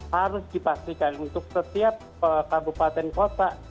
harus dipastikan untuk setiap kabupaten kota